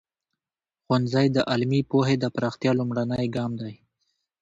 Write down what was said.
ښوونځی د علمي پوهې د پراختیا لومړنی ګام دی.